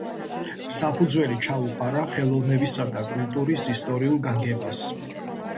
საფუძველი ჩაუყარა ხელოვნებისა და კულტურის ისტორიულ გაგებას.